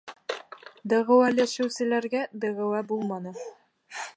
Дәғүәләшеүселәргә дәғүә булманы